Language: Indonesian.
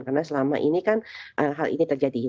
karena selama ini kan hal ini terjadi